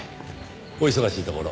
お忙しいところ。